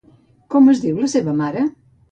Com es diu la seva mare?